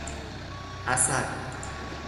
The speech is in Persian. اَسد